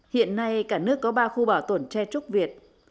hiện nay cả nước có ba khu bảo tồn tre trúc việt